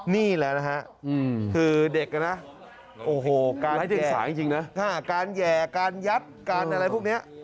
นี่แหละนะคือเด็กนะอันนี้การแย่การยัดการอะไรพวกนี้